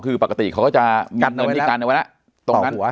คือปกติเขาก็จะกัดเงินที่กันไว้แล้ว